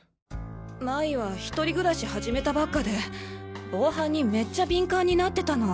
麻衣は１人暮らし始めたばっかで防犯にめっちゃ敏感になってたの。